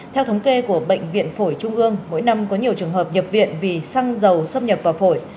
theo thống kê của bệnh viện phổi trung ương mỗi năm có nhiều trường hợp nhập viện vì xăng dầu xâm nhập vào phổi